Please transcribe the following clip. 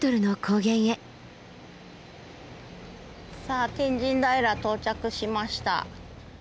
さあ天神平到着しました。